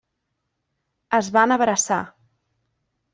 Es van abraçar.